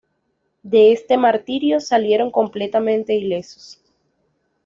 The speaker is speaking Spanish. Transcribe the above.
De este martirio salieron completamente ilesos.